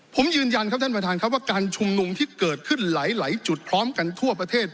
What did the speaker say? ผมยืนยันครับท่านประธานครับว่าการชุมนุมที่เกิดขึ้นหลายจุดพร้อมกันทั่วประเทศ